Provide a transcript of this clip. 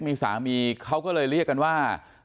มีสามีเขาก็เลยเรียกกันว่า